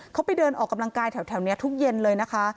เขาไปเดินออกกำลังกายแถวนี้ทุกเย็นเลยนะคะ